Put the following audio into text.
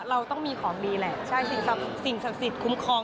เราต้องมีของดีแหละใช่สิ่งศักดิ์สิทธิ์คุ้มครอง